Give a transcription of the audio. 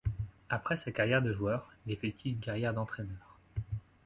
Après sa carrière de joueur, il effectue une carrière d'entraîneur.